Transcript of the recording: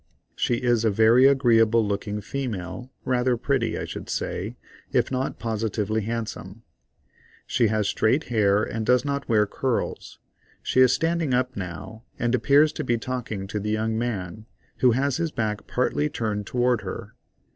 She is a very agreeable looking female, rather pretty, I should say, if not positively handsome. She has straight hair and does not wear curls. She is standing up now, and appears to be talking to the young man, who has his back partly turned toward her.